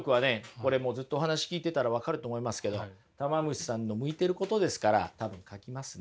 これもうずっとお話聞いてたら分かると思いますけどたま虫さんの向いてることですから多分描きますね。